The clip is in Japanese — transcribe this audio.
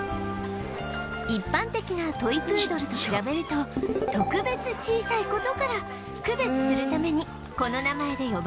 一般的なトイ・プードルと比べると特別小さい事から区別するためにこの名前で呼ばれているそうです